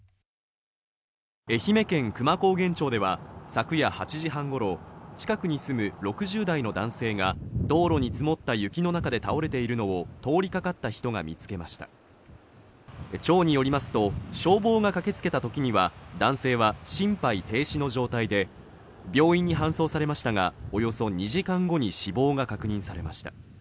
愛媛県久万高原町では昨夜８時半ごろ近くに住む６０代の男性が道路に積もった雪の中で倒れているのを通りかかった人が見つけました町によりますと消防が駆けつけたときには男性は心肺停止の状態で病院に搬送されましたがおよそ２時間後に死亡が確認されました